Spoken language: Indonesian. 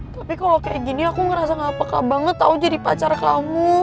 tapi kalau kayak gini aku ngerasa gak peka banget tau jadi pacar kamu